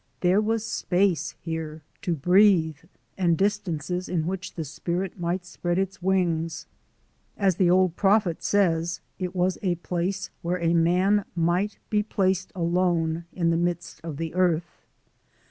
There was space here to breathe, and distances in which the spirit might spread its wings. As the old prophet says, it was a place where a man might be placed alone in the midst of the earth.